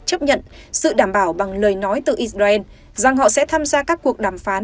chấp nhận sự đảm bảo bằng lời nói từ israel rằng họ sẽ tham gia các cuộc đàm phán